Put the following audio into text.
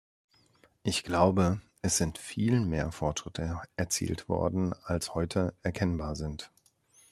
Ich glaube, es sind viel mehr Fortschritte erzielt worden, als heute erkennbar sind.